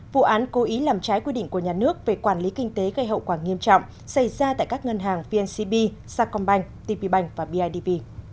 vụ án cố ý làm trái quy định của nhà nước về quản lý kinh tế gây hậu quả nghiêm trọng xảy ra tại các ngân hàng vncb sacombank tp bank và bidv